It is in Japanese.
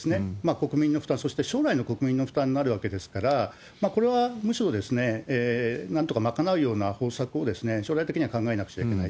国民の負担、そして将来の国民の負担になるわけですから、これはむしろ、なんとか賄うような方策を将来的には考えなくちゃいけない。